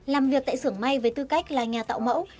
làm việc tại sưởng may với tư cách là nhà tạo mẫu